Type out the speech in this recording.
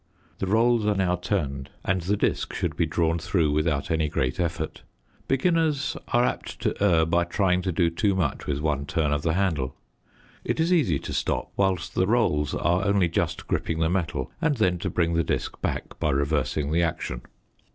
The rolls are now turned and the disc should be drawn through without any great effort. Beginners are apt to err by trying to do too much with one turn of the handle. It is easy to stop whilst the rolls are only just gripping the metal and then to bring the disc back by reversing the action.